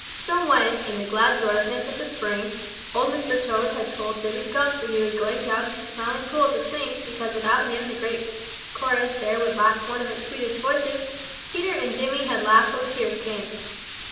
So when, in the glad joyousness of the spring, Old Mr. Toad had told Jimmy Skunk that he was going down to the Smiling Pool to sing because without him the great chorus there would lack one of its sweetest voices, Peter and Jimmy had laughed till the tears came.